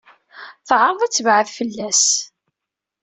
Teɛreḍ ad tebɛed fell-as.